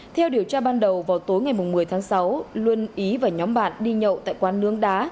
theo điều tra ban đầu vào tối ngày một mươi tháng sáu luân ý và nhóm bạn đi nhậu tại quán nướng đá